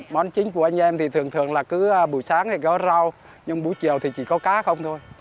món chính của anh em thì thường thường là cứ buổi sáng thì có rau nhưng buổi chiều thì chỉ có cá không thôi